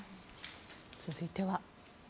続いては。